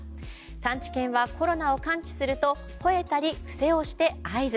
探知犬はコロナを感知すると吠えたり伏せをしたりして合図。